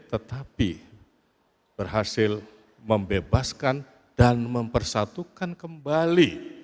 tetapi berhasil membebaskan dan mempersatukan kembali